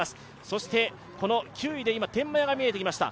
そして、９位で今、天満屋が見えてきました。